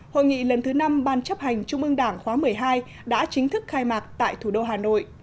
hội nghị lần thứ năm ban chấp hành trung ương đảng khóa một mươi hai đã chính thức khai mạc tại thủ đô hà nội